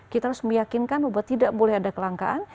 kita harus meyakinkan bahwa tidak boleh ada kelangkaan